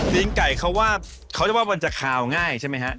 ตีนไก่เขาจะว่ามันจะเขลง่ายใช่ไหมฮะ